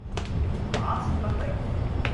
把持不定